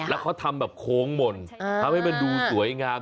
แล้วเขาทำแบบโค้งหม่นทำให้มันดูสวยงาม